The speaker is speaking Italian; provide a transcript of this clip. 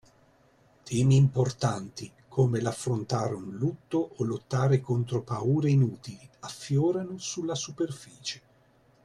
Temi importanti, come l’affrontare un lutto o lottare contro paure inutili, affiorano sulla superficie